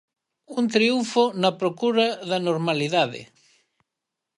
Un triunfo na procura da normalidade.